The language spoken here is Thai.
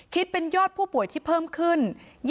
คิดเป็นยอดผู้ป่วยที่เพิ่มขึ้น